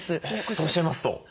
とおっしゃいますと？